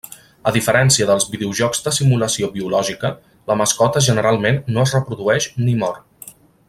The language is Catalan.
A diferència dels videojocs de simulació biològica, la mascota generalment no es reprodueix ni mor.